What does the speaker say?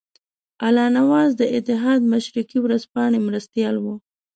الله نواز د اتحاد مشرقي ورځپاڼې مرستیال وو.